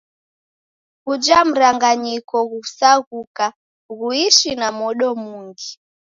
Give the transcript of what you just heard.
Ghuja mranganyiko ghukasaghuka, ghuishe na modo mungi.